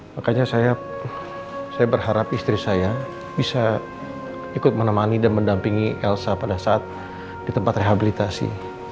makanya saya berharap istri saya bisa ikut menemani dan mendampingi elsa pada saat di tempat rehabilitasi